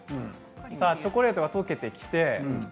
チョコレートが溶けてきて。